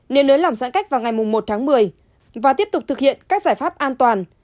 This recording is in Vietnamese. nên nới lỏng giãn cách vào ngày một tháng một mươi và tiếp tục thực hiện các giải pháp an toàn